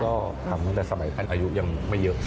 ก็ทำงานตระสมัยอายุยังไม่เยอะ